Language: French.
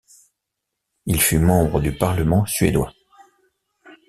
Il fut membre du parlement suédois.